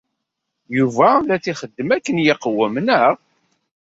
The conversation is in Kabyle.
Yuba la t-ixeddem akken yeqwem, naɣ?